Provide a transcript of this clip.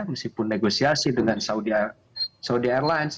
meskipun negosiasi dengan saudi airlines